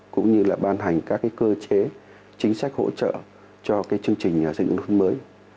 cũng như là ban hành các cơ chế chính sách hỗ trợ cho chương trình xây dựng nông thôn mới